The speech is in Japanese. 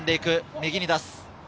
右に出す。